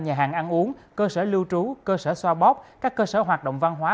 nhà hàng ăn uống cơ sở lưu trú cơ sở xoa bóp các cơ sở hoạt động văn hóa